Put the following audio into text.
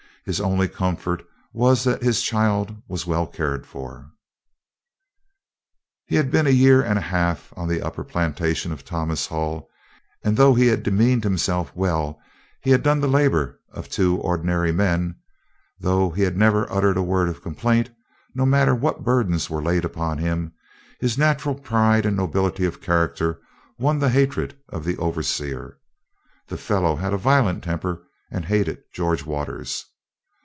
His only comfort was that his child was well cared for. He had been a year and a half on the upper plantation of Thomas Hull, and though he had demeaned himself well, and had done the labor of two ordinary men though he had never uttered a word of complaint, no matter what burdens were laid upon him, his natural pride and nobility of character won the hatred of the overseer. The fellow had a violent temper and hated George Waters.